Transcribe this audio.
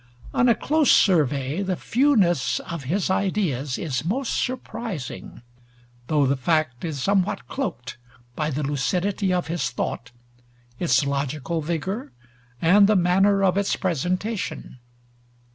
On a close survey, the fewness of his ideas is most surprising, though the fact is somewhat cloaked by the lucidity of his thought, its logical vigor, and the manner of its presentation.